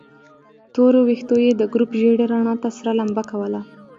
تورو ويښتو يې د ګروپ ژېړې رڼا ته سره لمبه کوله.